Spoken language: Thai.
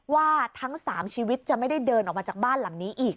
ว่าทั้ง๓ชีวิตจะไม่ได้เดินออกมาจากบ้านหลังนี้อีก